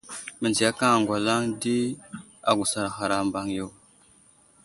Məndziyakaŋ aŋgwalaŋ di agusar ghar a mbaŋ yo.